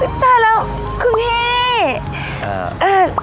ก็ได้ละขุมเฮ